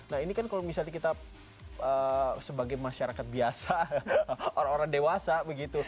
nah ini kan kalau misalnya kita sebagai masyarakat biasa orang orang dewasa begitu